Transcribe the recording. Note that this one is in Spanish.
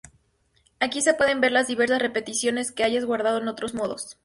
Aquí se pueden ver las diversas repeticiones que hayas guardado en otros modos.